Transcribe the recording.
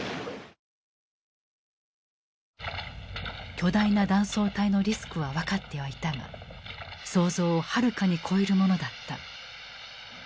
巨大な断層帯のリスクは分かってはいたが想像をはるかに超えるものだった。